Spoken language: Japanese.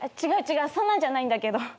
違う違うそんなんじゃないんだけど。